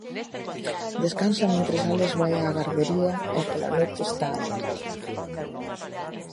Descansa mentres Álex vai a gardería e pola noite está alerta.